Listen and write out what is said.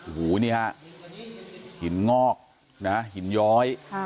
โอ้โหนี่ฮะหินงอกนะฮะหินย้อย